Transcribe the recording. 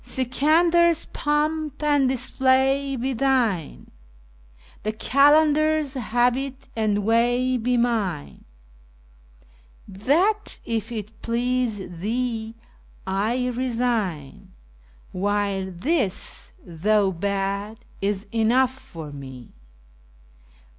Sikandar's3 pomp and display be thine, the Qalandar's4 habit and way be mine; That, if it please thee, I resign, while this, though bad, is enough for me.